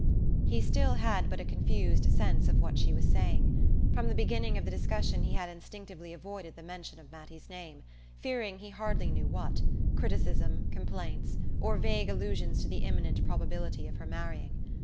He still had but a confused sense of what she was saying. From the beginning of the discussion he had instinctively avoided the mention of Mattie's name, fearing he hardly knew what: criticism, complaints, or vague allusions to the imminent probability of her marrying.